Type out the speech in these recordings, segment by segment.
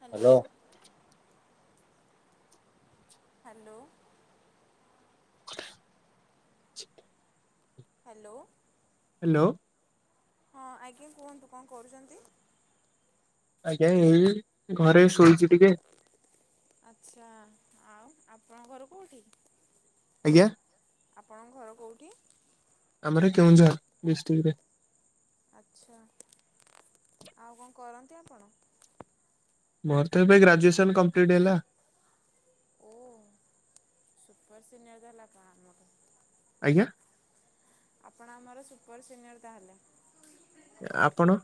Hello hello. Hello [unintelligible] hello hello ହଁ ଆଜ୍ଞା କୁହନ୍ତୁ, କଣ କରୁଛନ୍ତି? ଆଜ୍ଞା, ଏଇ ଘରେ ଶୋଇଛି ଟିକେ। ଆଛା, ଆଉ ଆପଣଙ୍କ ଘର କୋଉଠି? ଆଜ୍ଞା। ଆପଣଙ୍କ ଘର କୋଉଠି? ଆମର କେଉଁଝର ଡିଷ୍ଟ୍ରିକ୍ଟ ରେ। ଆଛା, ଆଉ କଣ କରନ୍ତି ଆପଣ? ମୋର ତ ଏବେ ଗ୍ରାଜୁଏସନ କମ୍ପ୍ଲିଟ୍ ହେଲା। ଓହ ସୁପର ସିିନିୟର ତାହେଲେ ଆପଣ ଆମଠୁ। ଆଜ୍ଞା। ଆପଣ ଆମର ସୁପର ସିନିୟର ତାହେଲେ। ଆପଣ?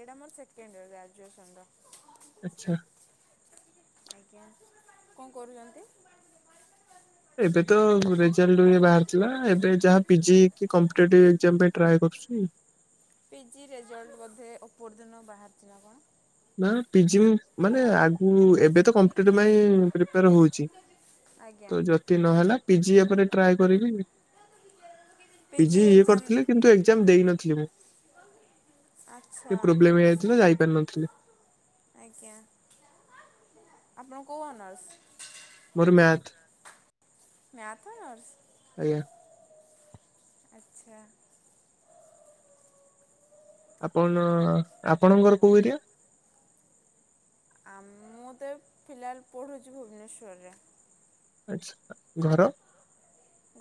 ଏଇଟା ମୋର ସେକେଣ୍ଡ ଇୟର ଗ୍ରାଜୁଏସନ ର। ଆଛା। ଆଜ୍ଞା କଣ କରୁଛନ୍ତି? ଏବେ ତ ରେଜଲ୍ଟଏ ବାହାରିଥିଲା ଏବେ ଯାହା ପିଜି କି କମ୍ ଏଠି ଏକଜାମ ପାଇଁ ଟ୍ରାଏ କରୁଛି। ପିଜି ରେଜଲ୍ଟ ବୋଧେ ଉପର ଦିନ ବାହାରିଥିଲା କଣ? ନା ପିଜି ମାନେ ଆଗୁ ଏବେ ତ କମ୍ପୁଟର ପାଇଁ ପ୍ରିପେୟାର ହଉଛି। ଆଜ୍ଞା ତ ଯଦି ନହେଲା ପିଜି ଉପରେ ଟ୍ରାଏ କରିବି। [unintelligible] ପିଜି ଇଏ ଏକ୍ଜାମ କରିଥିଲେ କିନ୍ତୁ ଏକ୍ଜାମ ଦେଇନଥିଲି ମୁଁ। ଆଚ୍ଛା ଟିକେ ପ୍ରୋବ୍ଲେମ ହେଇଯାଇଥିଲା ଯାଇପାରିନଥିଲି। ଆଜ୍ଞା। ଆପଣ କୋଉଁ ଅନର୍ସ? ମୋର ମ୍ୟାଥ୍। Math honours? [unintelligible] ଆଚ୍ଛା। ଆପଣ ଆପଣଙ୍କର କୋଉ ଏରିଆ? ଆ ମୁଁ ତ ଫିଲାଲ୍ ପଢ଼ୁଚି ଭୁବନେଶ୍ୱରରେ। ଆଚ୍ଛା। ଘର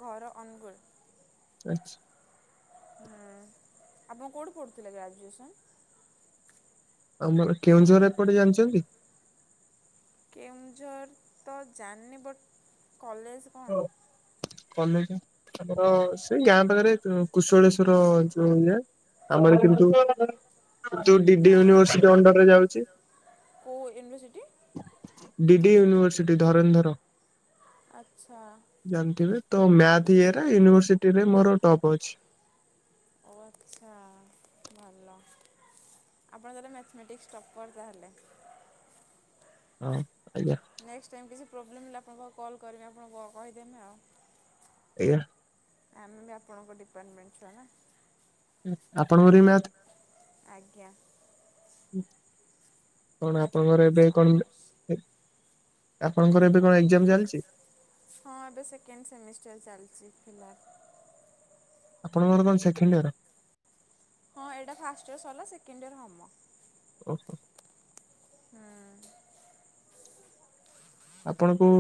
ଘର ଅନୁଗୁଳ। [unintelligible] ହୁଁ, ଆପଣ କୋଉଠି ପଢ଼ୁଥିଲେ ଗ୍ରାଜୁଏସନ୍? ଆମର କେଉଁଝର ଏପଟେ ଜାଣିଚନ୍ତି? କେଉଁଝର ତ ଜାଣିନି ବଟ୍ କଲେଜ୍ [unintelligible] କଲେଜ ଘର ସେଇ ଗାଁ ପାଖରେ କୁଶଳେଶ୍ଵର ଯୋଉ ଇଏ। ଆମର। [unintelligible] ଯୋଉ ଡିଡି ନା ୟୁନିଭରସିଟି ଆମର ଅଣ୍ଡରରେ ଯାଉଚି। କେଉଁ ୟୁନିଭର୍ସିଟି ଡିଡି ୟୁନିଭର୍ସିଟି ଧରଣୀଧର। ଆଚ୍ଛା। ଜାଣିଥିବେ। ତ ମ୍ୟାଥ ଇଏ ରେ ୟୁନିଭର୍ସିଟିରେ ମୋର ଟପ୍ ଅଛି। ଓ ଆଚ୍ଛା ଭଲ। ଆପଣ ତାହାଲେ ମ୍ୟାଥମେଟିକ୍ସ ଟପର୍ ତାହେଲେ। ହଁ ଆଜ୍ଞା। ନେକ୍ସଟ୍ ଟାଇମ୍ କିଛି ପ୍ରୋବ୍ଲେମ୍ ହେଲେ ଆପଣ ପାଖକୁ କଲ୍ କରିବି ଆପଣ କହିଦେମେ ଆଉ। [unintelligible] ଆମେ ବି ଆପଣଙ୍କ ଡିପାର୍ଟମେଣ୍ଟ ଛୁଆ ନା। ଆପଣଙ୍କର ବି ମ୍ୟାଥ? ଆଜ୍ଞା। କଣ ଆପଣଙ୍କର ମ୍ୟାଥମେଟିକ୍ସ ଏବେ ଅନର୍ସ କଣ ଆପଣଙ୍କର ଏବେ କଣ ଏକ୍ଜାମ୍ ଚାଲିଚି? ହଁ ଏବେ ସେକେଣ୍ଡ ସେମିଷ୍ଟର ଚାଲିଚି ଫିଲାଲ୍। ଆପଣଙ୍କର କଣ ସେକେଣ୍ଡ୍ ଇୟର୍? ହଁ ଏଇଟା ଫାଷ୍ଟ ଇୟର ସରିଲା ସେକେଣ୍ଡ୍ ଇୟର ହମ। [inaudible] ହୁଁ। ଆପଣ କୋଉ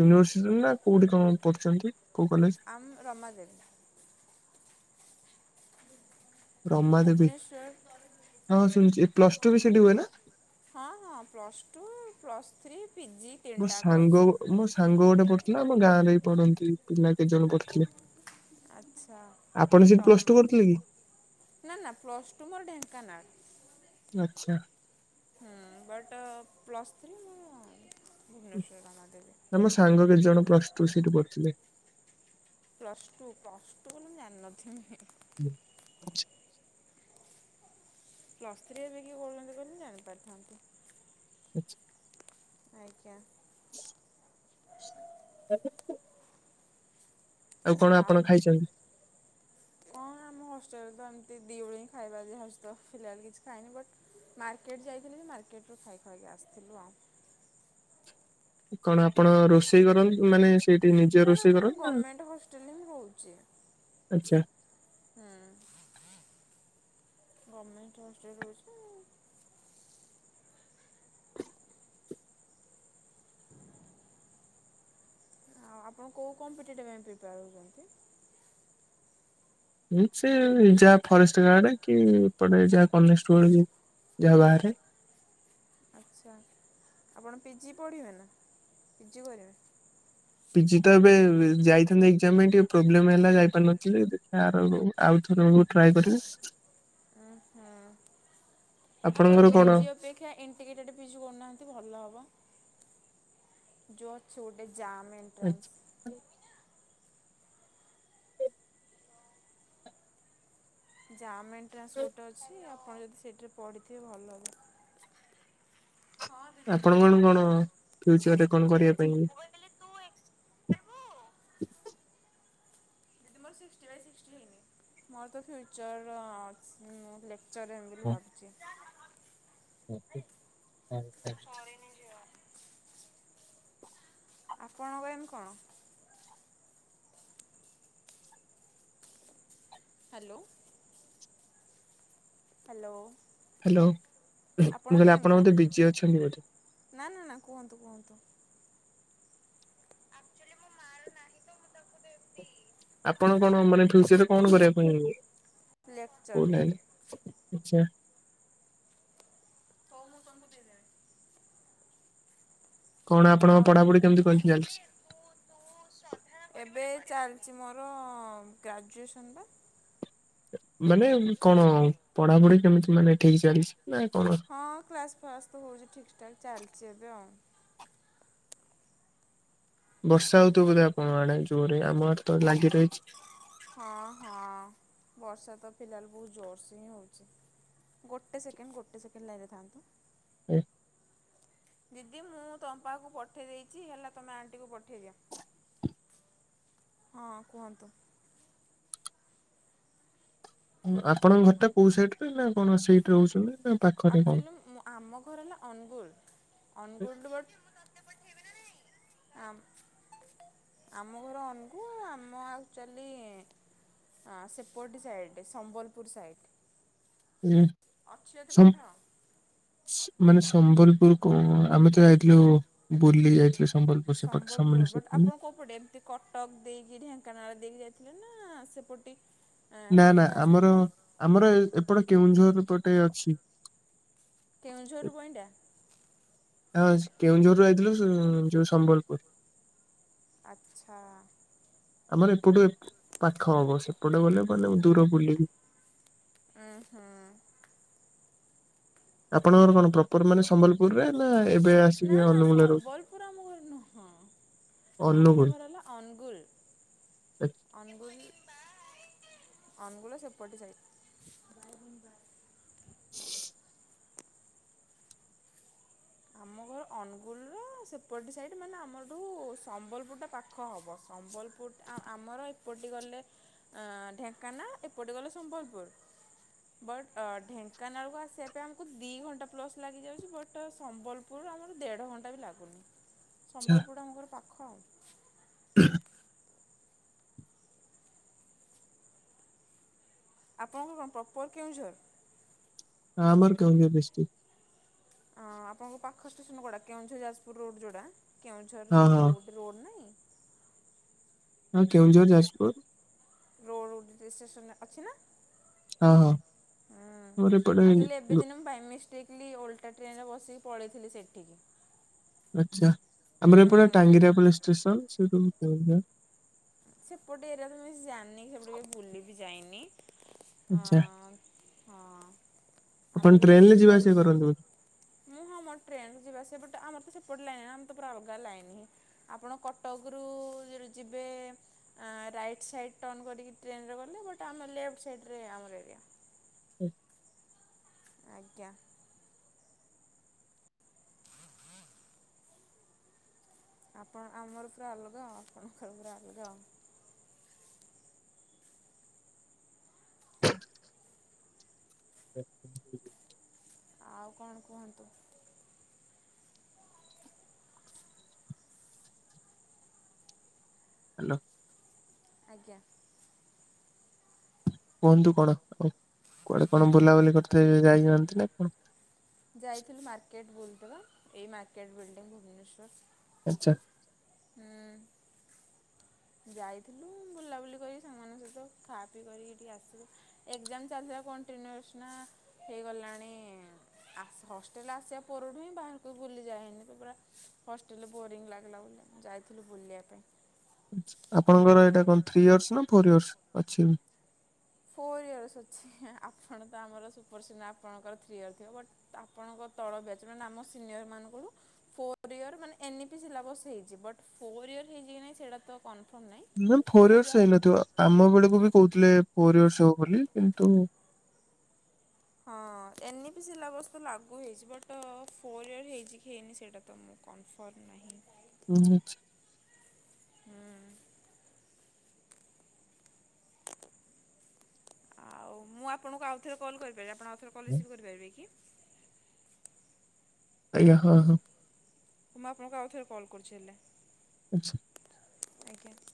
ୟୁନିଭର୍ସିଟିରେ ନା କୋଉଠି କଣ ପଢ଼ୁଛନ୍ତି କୋଉ କଲେଜ୍? ଆମ ରମା ଦେବୀ। ରମାଦେବୀ ଭୁବନେଶ୍ୱର। ହଁ ଶୁଣିଛି ପ୍ଲସ ଟୁ ବି ସେଠି ହୁଏ ନା? ହଁ ହଁ plus two, plus three, PG ମୋ ସାଙ୍ଗ ମୋ ସାଙ୍ଗ ଗୋଟେ ପଢୁଥିଲା। ଆମ ଗାଁରେ ବି ପଢନ୍ତି ପିଲା କେତେ ଜଣ ପଢୁଥିଲେ। ଆଚ୍ଛା ଆପଣ ସେଠି ରମ୍ ପ୍ଲସ ଟୁ କରୁଥିଲେ କି? ନା ନା ପ୍ଲସ୍ ଟୁ ମୋର ଢେଙ୍କାନାଳ। ଆଚ୍ଛା। ହୁଁ। ବଟ୍ ପ୍ଲସ୍ ଥ୍ରୀ ମୁଁ ଭୁବନେଶ୍ୱର ରମା ଦେବୀ। ମୋ ସାଙ୍ଗ କେତେ ଜଣ ପ୍ଲସ ଟୁ ସେଇଠି କରୁଥିଲେ। ପ୍ଲସ୍ ଟୁ ପ୍ଲସ୍ ଟୁ ମୁଁ ଜାନି ନଥିମି। [inaudible] ପ୍ଲସ୍ ଥ୍ରୀ ଏବେ କିଏ କରୁଛନ୍ତି କହିଲେ ମୁଁ ଜାଣିପାରିଥାନ୍ତି। ଆଚ୍ଛା ଆଜ୍ଞା। [unintelligible] ଆଉ କଣ ଆପଣ ଖାଇଛନ୍ତି? କଁ ଆମ ହଷ୍ଟେଲରେ ତ ଏମିତି ଦି ଓଳି ହଁ ଖାଇବା ଦିଆହୋଉଛି ତ ଫିଲହାଲ କିଛି ଖାଇନି ବଟ୍ ମାର୍କେଟ ଯାଇଥିଲି ଯେ ମାର୍କେଟରୁୁ ଖାଇ ଖୁଆକି ଆସିଥିଲୁ ଆଉ। କଣ ଆପଣ ରୋଷେଇ କରନ୍ତ ମାନେ ସେଇଠି ନିଜେ ନା ନା ରୋଷେଇ ମୁଁ କରନ୍ତି ନା ଗଭର୍ଣ୍ଣମେଣ୍ଟ ହଷ୍ଟେଲରେ ହିଁ ରହୁଛି ଆଚ୍ଛା। ହୁଁ ଗମେଣ୍ଟ ହଷ୍ଟଲରେ ରହୁଛି ଆଉ ଆପଣ କେଉଁ କମ୍ପିଟେଟିଭ୍ ପାଇଁ ପ୍ରିପେୟାର ହେଉଛନ୍ତି? ସେ ଯାହା ଫରେଷ୍ଟ ଗାର୍ଡ କି ଏପଟେ ଯାହା କନେଷ୍ଟବଳ କି ଯାହା ବାହାରେ। ଆଚ୍ଛା ଆପଣ ପି ଜି ପଢ଼ିବେ ନା ପି ଜି କରିବେ? ପିଜି ତ ଏବେ ଯାଇଥାନ୍ତି ଏଗ୍କ୍ଜାମ ପାଇଁ ଟିକେ ପ୍ରୋବ୍ଲେମ ହେଲା ଯାଇପାରିନଥିଲି ଦେଖିବା ଆର ଆଉଥର ବେଳକୁ ଟ୍ରାଏ କରିବି। ଓହୋ। ଆପଣ ଆପଣଙ୍କର ପି କଣ ଜି ଅପେକ୍ଷା ଇଣ୍ଟିଗ୍ରେଟେଡ଼୍ ପିଜି କରୁନାହାନ୍ତି ଭଲ ହବ। ଯୋଉ ଅଛି ଗୋଟେ ଜାମ ଏଣ୍ଟ୍ରାନ୍ସ ଜାମ୍ ଏଣ୍ଟ୍ରାନ୍ସ ଗୋଟେ ଅଛି ଆପଣ ଯଦି ସେଇଠିରେ ପଢ଼ିଥିବେ ଭଲ ହେବ। ହଁ ଦିଦି କୁହ। ଫ୍ୟୁଚର ରେ କଣ କରିବା ପାଇଁ ମୁଁ କହିଲି ତୁ ଏକ୍ସ ନେବୁ? ମୋର ସିକଷ୍ଟୀ ବାଇ ସିକଷ୍ଟୀ ମୋର ତ ଫ୍ୟୁଚର ଚର୍ ରେ ହେମିବୋଲି ଭାବୁଛି। ଓ ଆଁ ସରିନି ଝିଅ। ଆପଣଙ୍କ ଏମ କଣ? ହ୍ୟାଲୋ। ହ୍ୟାଲୋ। ହ୍ୟାଲୋ ମୁଁ ଆପଣଙ୍କ କହିଲି ଏମ୍ ଆପଣ କଣ? ବୋଧେ ବିଜି ଅଛନ୍ତି ବୋଧେ। ନା ନା ନା କୁହନ୍ତୁ କୁହନ୍ତୁ। ଆକ୍ଚୁଆଲି ମୁଁ ମାର ନାହିଁ ତ ମୁଁ ତାକୁ ଦେବି। ଆପଣ କଣ ମାନେ ଫ୍ୟୁଚରରେ କଣ କରିବା ପାଇଁ ତାକୁ ଲେକ୍ଚର୍। କହୁନାହାନ୍ତି? ଆଛା। କହୁନ କଣ ପାଇଁ କେଜାଣି। କଣ ଆପଣଙ୍କ ଆଉ ପାଢାପଢି କେମିତି କଣ ଯେ ଚାଲିଛି? ତୁ ତୁ ଏବେ ଚାଲିଛି ମୋର ଗ୍ରାଜୁଏସନ ପା। ମାନେ କଣ ପଢାପଢି କେମିତି ମାନେ ଠିକ ଚାଲିଛି ନା କଣ? ହଁ କ୍ଲାସ୍ ଫ୍ଲାସ ତ ହେଉଛି ଠିକ୍ ଠାକ୍ ଚାଲିଛି ଏବେ ଆଉ। ବର୍ଷା ହୋଉଥିବ ବୋଧେ ଆପଣଙ୍କ ଆଡେ ଜୋରରେ ଆମ ଆଡ଼େ ତ ଲାଗି ରହିଛି। ହଁ ହଁ ବର୍ଷା ତ ଫିଲହାଲ ବହୁତ ଜୋରସେ ହିଁ ହୋଉଛି। ଗୋଟେ ସେକେଣ୍ଡ ଗୋଟେ ସେକେଣ୍ଡ ଲାଇନରେ ଥାନ୍ତୁ। ହୁଁ। ଦିଦି ମୁଁ ତମ ପାଖକୁ ପଠେଇ ଦେଇଛି ହେଲା ତମେ ଆଣ୍ଟିକୁ ପଠେଇଦିଅ। ହଁ କୁହନ୍ତୁ? ହଁ ଆପଣଙ୍କ ଘରଟା କୋଉ ସାଇଟରେ ନା କଣ ସେଇଠି ରହୁଛନ୍ତି ନା? ପାଖରେ କଣ? ଆକଚୁଆଲି ଆମ ଘର ହେଲା ଅନୁଗୁଳ ଅନୁଗୁଳରୁ ବଟ ଆମ ଆମ ଘର ଅନୁଗୁଳ। ଆମ ଆକ୍ଚୁଆଲି ହଁ ସେପଟ ସାଇଡରେ ସମ୍ବଲପୁର ସାଇଟ। ହୁଁ ସମ ପଠାଅ। ମାନେ ସମ୍ବଲପୁର କଣ ଆମେ ତ ଯାଇଥିଲୁ ବୁଲି ଯାଇଥିଲୁ ସମ୍ବଲପୁର। ସେପଟେ ସମ୍ବଲପୁର ସମଲେଶ୍ୱର ବଟ ତମେ ଆପଣ କୋଉ ପଟେ? କଟକ ଦେଇକି ଢେଙ୍କାନାଳ ଦେଇକି ଯାଇଥିଲେ ନା ସେପଟେ? ନା ନା କୋଉପଟେ ଆସିଥିଲେ ଆମର ଆମର ଏପଟ କେଉଁଝର ପଟେ ଅଛି। କେଉଁଝର ରୁ ବଇଣ୍ଡା? ହାଁ କେଉଁଝର ରୁ ଯାଇଥିଲୁ ଯଉ ସମ୍ବଲପୁର ଆଚ୍ଛା। ଆମର ଏପଟୁ ପାଖ ହବ ସେପଟେ ଗଲେ ମାନେ ଦୂର ବୁଲିକି ଆଁ ହାଁ। ଆପଣଙ୍କର କଣ ପ୍ର ପ୍ରପର ମାନେ ସମ୍ବଲପୁରରେ ନା ଏବେ ନା ଆସିକି ନା ଅନୁଗୁଳ ରହୁ ସମ୍ବଲପୁର ଆମ ଘର ନୁହଁ। ଆମ ଘର ହେଲା ଅନୁଗୁଳ, ଅନୁଗୁଳ ଅନୁଗୁଳ ର ସେପଟ ସାଇଟ। [unintelligible] ଆମ ଘର ଅନୁଗୁଳର ସେପଟ ସାଇଡ ମାନେ ଆମରଠୁ ସମ୍ବଲପୁରଟା ପାଖ। ପାଖ ହବ ସମ୍ବଲପୁର ଆମର ଏପଟି ଗଲେ ଆ ଢେଙ୍କାନାଳ ଏପଟେ ଗଲେ ସମ୍ବଲପୁର ବଟ୍ ଢେଙ୍କାନାଳକୁ ଆସିବା ପାଇଁ ଆମକୁ ଦି ଘଣ୍ଟା ପ୍ଲସ୍ ଲାଗିଯାଉଛି ବଟ ସମ୍ବଲପୁର ଆମର ଦେଢ଼ ଘଣ୍ଟା ବି ଲାଗୁନି ଆଚ୍ଛା ସମ୍ବଲପୁରଟା ଆମ ଘର ପାଖ ଆଉ। [unintelligible] ଆପଣଙ୍କ କଣ ପ୍ରପର କେଉଁଝର? ହଁ ଆମର କେଉଁଝର ଡିସଟିକ। ଆଁ ଆପଣଙ୍କ ପାଖ ଷ୍ଟେସନ କଉଟା କେଉଁଝର ଯାଜପୁର ରୋଡ ଜଉଟା କେଉଁଝର ହଁ କୋ ହଁ ରୋଡ ନାହିଁ, ହଁ କେଉଁଝର ଯାଜପୁର, ରୋଡ ଗୋଟେ ଷ୍ଟେସନ ଅଛି ନା? ହଁ ହଁ ହୁଁ ଆମର ଆକଚୁଆଲି ଏପଟେ ଏବେ ଦିନ ମୁଁ ବାଇମିସଟେକଲି ଓ ଲଟା ଟ୍ରେନରେ ବସିକି ପଳେଇଥିଲି ସେଠିକି, ଆଚ୍ଛା। ଆମର ଏପଟେ ହୁଁ। ଟାଙ୍ଗରିଆ ପୋଲିସ୍ ଷ୍ଟେସନ୍ ସେଇଠୁ ସେପଟେ ଏରିଆ ତ ମୁଁ ଜାଣିନି ସେପଟେ ବୁଲି ବିି ଯାଇନି ଆଚ୍ଛା ଅଁ ହଁ ଆପଣ ଆମର ଜଣେ ଟ୍ରେନ ରେ ଯିବା ସୁପର୍ ଆସିବା ସି କରନ୍ତି ବୋଧେ ମୁଁ ହଁ ମୋ ଟ୍ରେନରେ ଯିବା ଆସିବା ବଟ୍ ଆମର ତ ସେପଟ ଲାଇନ ଆମ ତ ପୁରା ଅଲଗା ଲାଇନି। ଆପଣ କଟକରୁ ଯେ ଯିବେ ଆ ରାଇଟ୍ ସାଇଡ଼୍ ଟର୍ଣ୍ଣ କରିକି ଟ୍ରେନ ରେ ଗଲେ ବଟ୍ ଆମର ଲେଫ୍ଟ ସାଇଡରେ ଆମର ଏରିଆ। ହୁଁ। ଆଜ୍ଞା। ଆପଣ ଆମର ପୁରା ଅଲଗା ଆପଣଙ୍କର ପୁରା ଅଲଗା ଆଉ। [inaudible] ଆଉ କଣ କୁହନ୍ତୁ? ହ୍ୟାଲୋ ଆଜ୍ଞା! କୁହନ୍ତୁ କଣ ଆଉ କୁଆଡେ କଣ ବୁଲାବୁଲି କରିଥିବେ ଯାଇନାହାନ୍ତି ନା କଣ? ଯାଇଥିଲୁ ମାର୍କେଟ ବୁଲତେ ପା ଏଇ ମାର୍କେଟ ବିଲଡିଙ୍ଗ ଭୁବନେଶ୍ଵର। ଆଚ୍ଛା! ହୁଁ। ଯାଇଥିଲି ବୁଲାବୁଲି କରି ସାଙ୍ଗ ମାନଙ୍କ ସହିତ ଖା ପିଇ କରିକି ଟିକେ ଆସିଲି। ଏକ୍ସାମ ଚାଲିିଥିଲା କଣ୍ଟିନ୍ୟୁଅସ୍ ନା ହେଇଗଲାଣି ଆ ହଷ୍ଟେଲ ଆସିବା ପରୁୁଠୁ ହିଁ ବାହାରକୁ ବୁଲିଯାଏନି ତ ପୁରା ହଷ୍ଟେଲରେ ବୋରିଂ ଲାଗିଲା ବୋଲି ଯାଇଥିଲୁ ବୁଲିବା ପାଇଁ, ଆଚ୍ଛା! ଆପଣଙ୍କର ଏଇଟା କଣ ଥ୍ରୀ ଇୟର୍ସ ନା ଫୋର୍ ଇୟର୍ସ ଅଛି? ଫୋର୍ ଇୟର୍ସ ଅଛି, ଆପଣ ତ ଆମର ସୁପରସିନିୟର ଆପଣଙ୍କର ଥ୍ରୀ ଇୟର୍ ଥିବ ବଟ୍ ଆପଣଙ୍କ ତଳ ବ୍ୟାଚ ମାନେ ଆମ ସିନିୟର ମାନଙ୍କରୁ ଫୋର୍ ୟର ମାନେ ଏନି ବି ସିଲାବସ୍ ହେଇଚି ବଟ ଫୋର୍ ୟର୍ ହେଇଛି କି ନାଇଁ ସେଇଟା ତ କନଫର୍ମ ନାଇ ନା ଫୋର ଇୟର୍ସ ହେଇନଥିବ ଆମ ବେଳକୁ ବି କହୁଥିଲେ ଫୋର୍ ଇୟର୍ସ ହବ ବୋଲି କିନ୍ତୁ ହଁ, ଏନି ବି ସିଲ ବସ ତ ଲାଗୁ ହେଇଛି ବଟ୍ ଫୋର୍ ଇୟର ହେଇଛି କି ହେଇନି ସେଇଟା ତ ମୁଁ କନଫର୍ମ ନାହିଁ। [inaudible] ହଁ, ଆଉ ମୁଁ ଆପଣଙ୍କୁ ଆଉଥରେ କଲ୍ କରିପାରିବି ଆପଣ ଆଉଥରେ କଲ୍ ରିସିଭ୍ କରିପାରିବେ କି? ଆଜ୍ଞା। ହଁ, ହଁ, ମୁଁ ଆପଣଙ୍କୁ ଆଉଥରେ କଲ୍ କରୁଛି ହେଲେ [inaudible] [unintelligible] ଆଜ୍ଞା।